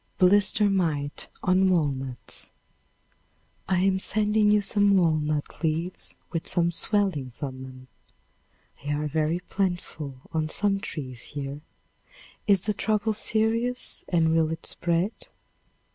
Blister Mite on Walnuts. I am sending you some walnut leaves with some swellings an them. They are very plentiful on some trees here. Is the trouble serious and will it spread?